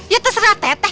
ya terserah teteh